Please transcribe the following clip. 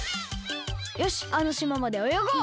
よしあのしままでおよごう！